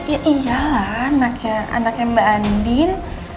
ya iyalah anaknya anaknya mbak andin